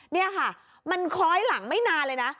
นี่ค่ะมันคล้อยหลังไม่นานเลยนะ